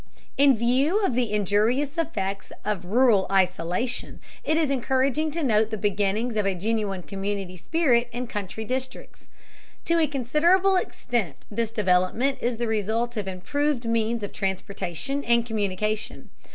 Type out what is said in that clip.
In view of the injurious effects of rural isolation, it is encouraging to note the beginnings of a genuine community spirit in country districts. To a considerable extent this development is the result of improved means of transportation and communication.